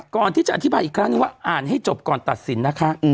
ก่อนที่จะอธิบายอีกครั้งนึงว่าอ่านให้จบก่อนตัดสินนะคะ